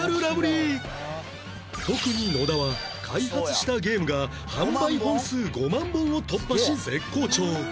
特に野田は開発したゲームが販売本数５万本を突破し絶好調